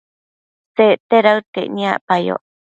Secte daëd caic niacpayoc